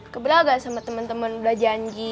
ke belaga sama teman teman udah janji